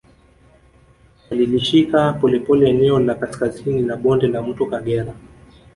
Walilishika polepole eneo la kaskazini la bonde la mto Kagera